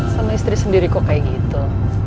sama istri sendiri kok kayak gitu